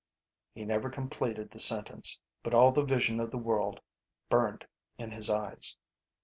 He never completed the sentence, but all the vision of the world burned in his eyes.